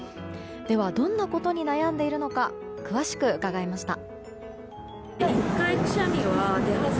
ではどんなことに悩んでいるのか詳しく伺いました。